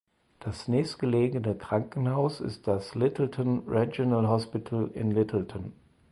Das nächstgelegene Krankenhaus ist das Littleton Regional Hospital in Littleton.